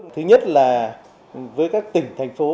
thứ nhất là với các tỉnh thành phố